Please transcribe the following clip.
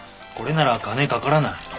これなら金かからない。